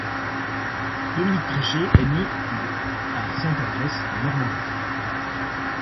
Dominique Preschez est né le à Sainte-Adresse, en Normandie.